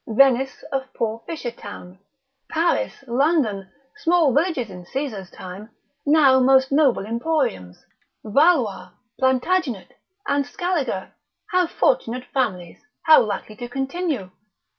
Venice a poor fisher town; Paris, London, small cottages in Caesar's time, now most noble emporiums. Valois, Plantagenet, and Scaliger how fortunate families, how likely to continue!